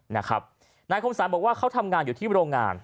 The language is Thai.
นายคมศาลบอกว่าเขาทำงานอยู่ที่โรงงาน